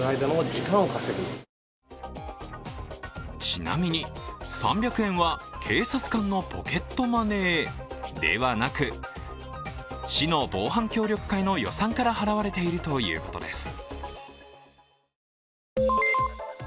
ちなみに３００円は警察官のポケットマネーではなく市の防犯協力会の予算から払われているということです。